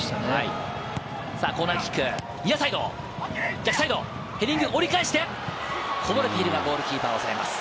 コーナーキック、ニアサイド、逆サイド、ヘディング折り返して、こぼれているがゴールキーパー抑えます。